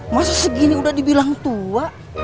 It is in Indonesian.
masa segini udah dibilang tua